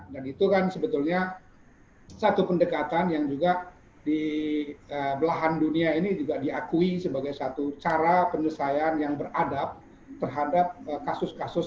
dan itu kan sebetulnya satu pendekatan yang juga di belahan dunia ini juga diakui sebagai satu cara penyesaian yang beradab terhadap kasus kasus